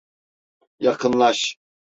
Yakınlaş.